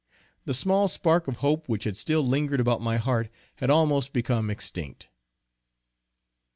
The small spark of hope which had still lingered about my heart had almost become extinct.